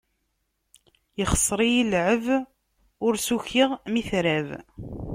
Ixser-iyi llɛeb, ur s-ukiɣ mi trab.